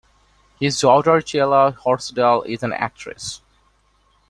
His daughter Chelah Horsdal is an actress.